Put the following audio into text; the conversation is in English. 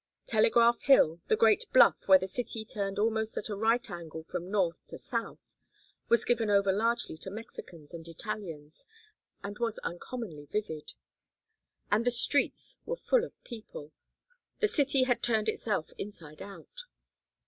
Telegraph Hill, the great bluff where the city turned almost at a right angle from north to south, was given over largely to Mexicans and Italians, and was uncommonly vivid. And the streets were full of people. The city had turned itself inside out.